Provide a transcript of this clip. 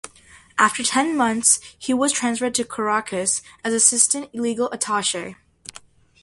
After ten months, he was transferred to Caracas as Assistant Legal Attache.